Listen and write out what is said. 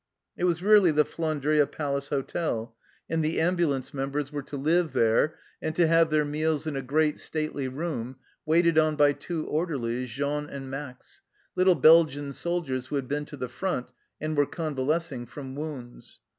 It was really the Flandria Palace Hotel, and the ambulance members were THE START 15 to live there and to have their meals in a great stately room, waited on by two orderlies, Jean and Max, little Belgian soldiers who had been to the front and were convalescing from wounds.